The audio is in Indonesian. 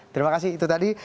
terima kasih itu tadi